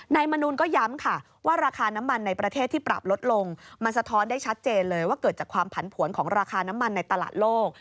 มนูลก็ย้ำค่ะว่าราคาน้ำมันในประเทศที่ปรับลดลงมันสะท้อนได้ชัดเจนเลยว่าเกิดจากความผันผวนของราคาน้ำมันในตลาดโลก